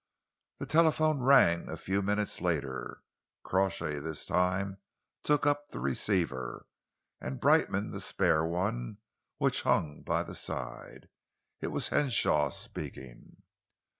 The telephone rang a few minutes later. Crawshay this time took up the receiver, and Brightman the spare one which hung by the side. It was Henshaw speaking.